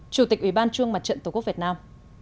chủ tịch ủy ban trung mặt trận tổ quốc việt nam